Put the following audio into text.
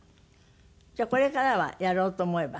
じゃあこれからはやろうと思えば？